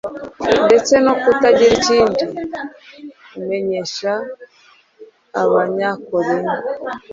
ndetse no ” kutagira ikindi amenyesha” abanyakorinto,